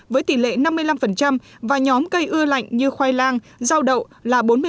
với tỷ lệ năm mươi năm và nhóm cây ưa lạnh như khoai lang rau đậu là bốn mươi